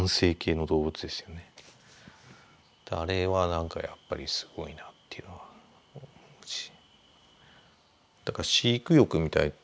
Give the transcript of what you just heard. あれはなんかやっぱりすごいなっていうのは思うし。